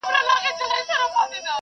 لا یې پخوا دي ورځي سختي نوري.